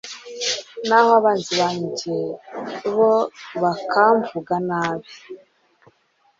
Naho abanzi banjye bo bakamvuga nabi